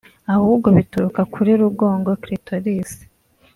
ahubwo bituruka kuri rugongo (Clitoris)